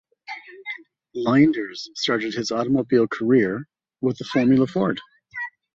Leinders started his automobile career with the Formula Ford.